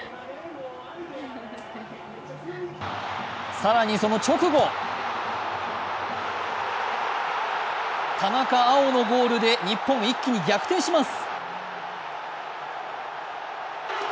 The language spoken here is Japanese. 更にその直後田中碧のゴールで日本一気に逆転します。